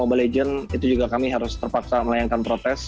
mobile legend itu juga kami harus terpaksa melayangkan protes